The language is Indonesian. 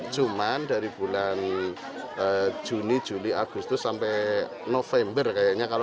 cuma dari bulan juni juli agustus sampai november kayaknya